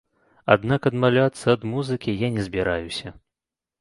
Аднак адмаўляцца ад музыкі я не збіраюся.